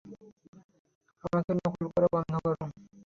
আমাকে নকল করা বন্ধ করো!